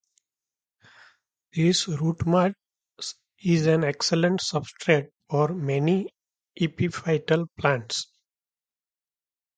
This root mass is an excellent substrate for many epiphytal plants.